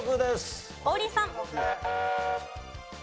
王林さん。